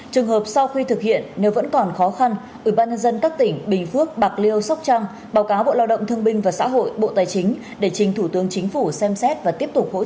trường hợp sau khi thực hiện nếu vẫn còn khó khăn ubnd các tỉnh bình phước bạc liêu sóc trăng báo cáo bộ lao động thương binh và xã hội bộ tài chính để trình thủ tướng chính phủ xem xét và tiếp tục hỗ trợ